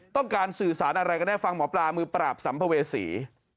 ต้องการสื่อสารอะไรกันแน่ฟังหมอปลามือปราบสัมภเวษี